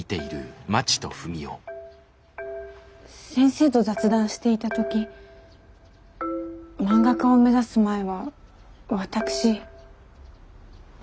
先生と雑談していた時漫画家を目指す前は私。